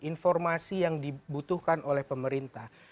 informasi yang dibutuhkan oleh pemerintah